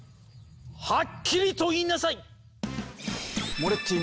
はっきりと言いなさい！